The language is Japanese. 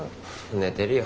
寝てるよ。